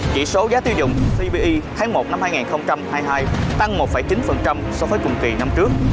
chỉ số giá tiêu dùng pbi tháng một năm hai nghìn hai mươi hai tăng một chín so với cùng kỳ năm trước